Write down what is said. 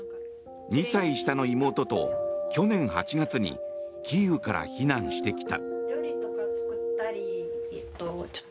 ２歳下の妹と去年８月にキーウから避難してきた。